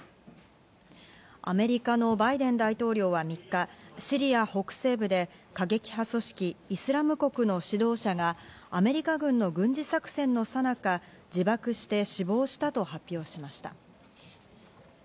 アメリカのバイデン大統領は３日、シリア北西部で過激派組織イスラム国の指導者がアメリカ軍の軍事作戦のさなか、自爆して死亡したと発表しました。